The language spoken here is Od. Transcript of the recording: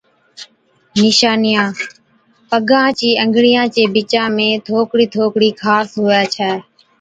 نِشانِيان، پگان چي انگڙِيان چي بِچا ۾ ٿوڪڙِي ٿوڪڙِي خارس هُوَي ڇَي۔